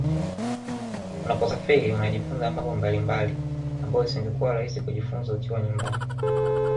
Unaposafiri unajifunza mambo mbalimbali ambayo isingekuwa rahisi kujifunza ukiwa nyumbani